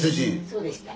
そうでした。